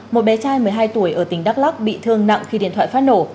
một bé trai một mươi hai tuổi ở tỉnh đắk lắc bị thương nặng khi điện thoại phát nổ